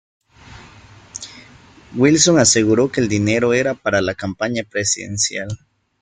Wilson aseguró que el dinero era para la campaña presidencial.